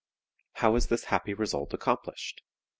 "How is this happy result accomplished?